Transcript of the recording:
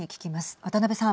渡辺さん。